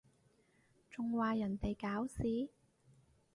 仲話人哋搞事？